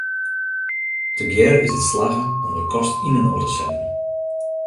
Tegearre is it slagge om de kast yn inoar te setten.